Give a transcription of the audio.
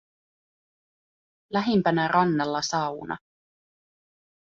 Lähimpänä rannalla sauna.